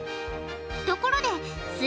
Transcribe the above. ところです